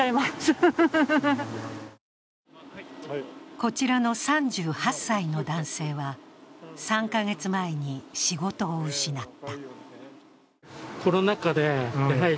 こちらの３８歳の男性は、３カ月前に仕事を失った。